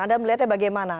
ada melihatnya bagaimana